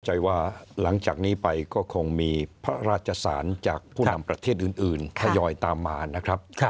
ใจว่าหลังจากนี้ไปก็คงมีพระราชสารจากผู้นำประเทศอื่นทยอยตามมานะครับ